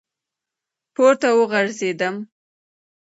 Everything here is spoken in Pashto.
پـورتـه وغورځـېدم ،